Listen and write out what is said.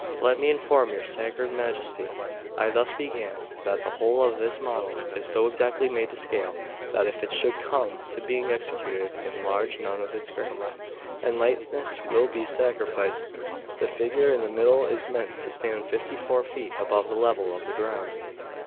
"Let me inform your sacred Majesty," I thus began, "that the whole of this model is so exactly made to scale, that if it should come to being executed in the large, none of its grace and lightness will be sacrificed. The figure in the middle is meant to stand fifty four feet above the level of the ground."